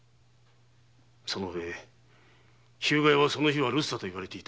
そのうえ日向屋はその日は留守だと言われていた。